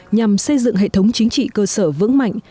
nhằm xây dựng hệ thống chính trị cơ sở vững mạnh